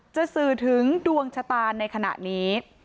สื่อถึงดวงชะตาในขณะนี้